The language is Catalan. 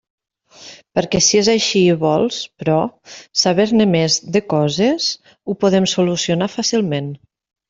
Perquè si és així i vols, però, saber-ne més, de coses, ho podem solucionar fàcilment.